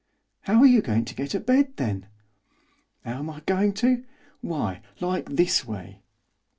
'How are you going to get a bed then?' ''Ow am I going to? why, like this way.